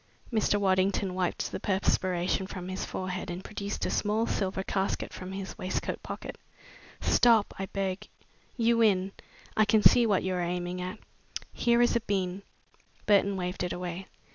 Mr. Waddington wiped the perspiration from his forehead and produced a small silver casket from his waistcoat pocket. "Stop!" he begged. "You win! I can see what you are aiming at. Here is a bean." Burton waved it away.